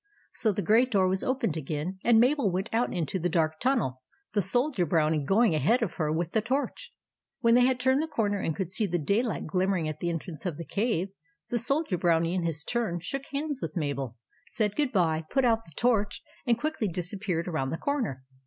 So the great door was opened again, and Mabel went out into the dark tunnel, the Soldier Brownie going ahead of her with the torch. When they had turned the corner and could see the daylight glimmering at the entrance of the cave, the Soldier Brownie in his turn shook hands with Mabel, said good bye, put out the torch, and quickly disappeared around the corner.